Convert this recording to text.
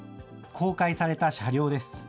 公開された車両です。